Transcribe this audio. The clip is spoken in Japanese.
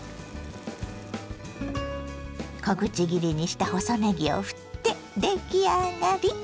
小口切りにした細ねぎをふって出来上がり。